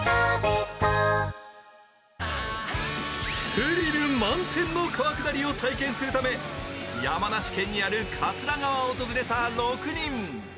スリル満点の川下りを体験するため、山梨県にある桂川を訪れた６人。